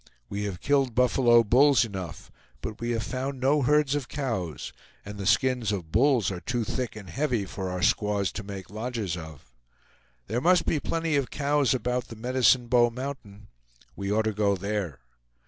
We have killed buffalo bulls enough, but we have found no herds of cows, and the skins of bulls are too thick and heavy for our squaws to make lodges of. There must be plenty of cows about the Medicine Bow Mountain. We ought to go there.